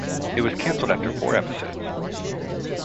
It was cancelled after four episodes.